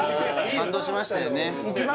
感動しましたよね